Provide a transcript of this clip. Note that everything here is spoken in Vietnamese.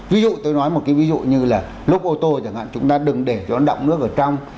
ví dụ tôi nói một cái ví dụ như là lúc ô tô chẳng hạn chúng ta đừng để cho nó đọng nước ở trong